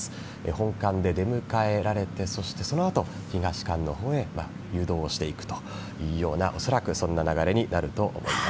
本館で出迎えられてそしてそのあと東館へ誘導していくという恐らく、そんな流れになると思います。